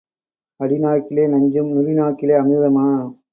அடி நாக்கிலே நஞ்சும், நுனி நாக்கிலே அமிர்தமா?